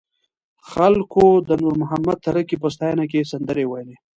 خلکو د نور محمد تره کي په ستاینه کې سندرې ویلې.